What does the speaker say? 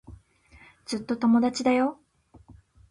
ずっと友達だよ。